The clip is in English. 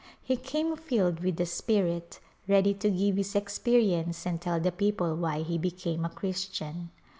He came filled with the Spirit, ready to give his experience and tell the people why he became a Christian.